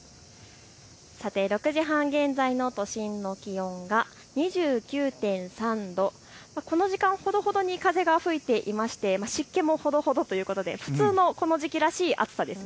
６時半現在の都心の気温が２９．３度、この時間ほどほどに風が吹いていて湿気もほどほどということで普通のこの時期らしい暑さです。